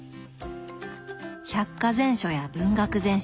百科全書や文学全集。